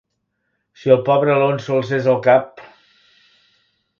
Si el pobre Alonso alcés el cap!